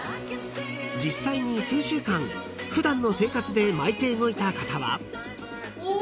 ［実際に数週間普段の生活で巻いて動いた方は］